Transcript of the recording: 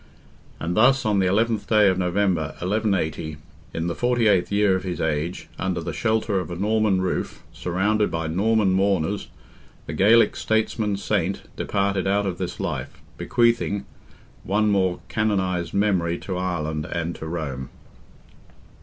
And thus on the 11th day of November, 1180, in the 48th year of his age, under the shelter of a Norman roof, surrounded by Norman mourners, the Gaelic statesman saint departed out of this life, bequeathing—one more canonized memory to Ireland and to Rome.